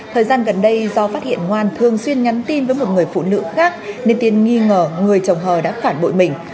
thời gian gần đây do phát hiện ngoan thường xuyên nhắn tin với một người phụ nữ khác nên tiên nghi ngờ người chồng hờ đã phản bội mình